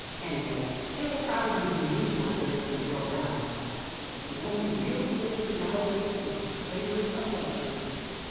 Any way, it will probably do me more good than it will them. The only real slavery nowa days is the slavery of luxury.